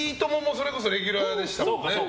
それこそレギュラーでしたもんね。